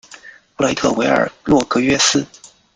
布雷特维尔洛格约斯。